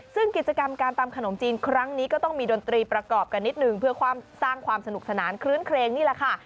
ซึ่งกิจกรรมการตำขนมจีนครั้งนี้ก็ต้องมีดนตรีประกอบกันนิดนึงเพื่อความสร้างความสนุกสนานคลื้นเครงนี่แหละค่ะ